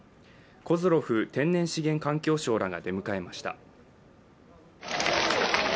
コズロフ天然資源環境相らが出迎えました。